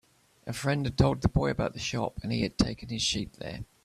A friend had told the boy about the shop, and he had taken his sheep there.